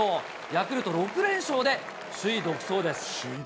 ヤクルト６連勝で首位独走です。